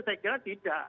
saya kira tidak